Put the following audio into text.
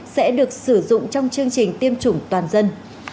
sẽ được sử dụng trong chương trình tiêm chủng toàn dân